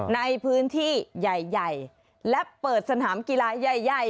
ในพื้นที่ใหญ่และเปิดสนามกีฬาใหญ่